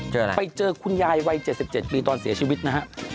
เจออะไรไปเจอคุณยายวัย๗๗ปีตอนเสียชีวิตนะฮะ